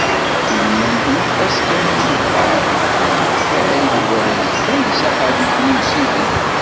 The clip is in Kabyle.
I lmend n tfaska-nni dɣa, yettunefk-ak warraz Kaysa Xalifi n usideg.